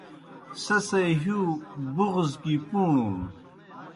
سہ سے ہِیؤ بُغض گیْ پُوݨُن۔